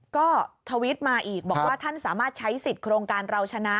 ก็ทวิตมาอีกบอกว่าท่านสามารถใช้สิทธิ์โครงการเราชนะ